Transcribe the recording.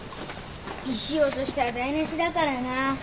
石落としたら台なしだからな。